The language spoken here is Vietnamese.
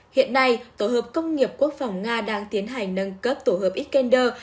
hiện nay tổ hợp công nghiệp quốc phòng nga đang tiến hành nâng cấp tổ hợp ecender